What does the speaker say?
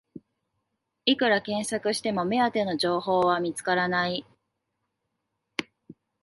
いくら検索しても目当ての情報は見つからない